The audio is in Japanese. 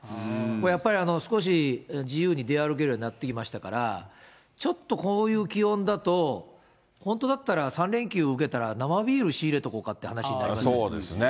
やっぱり、少し自由に出歩けるようになってきましたから、ちょっとこういう気温だと、本当だったら、３連休うけたら、生ビール仕入れておこうかという話になりますかそうですね。